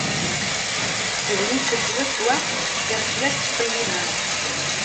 D netta swaswa iɣef la tettqellibem.